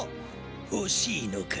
ほしいのか？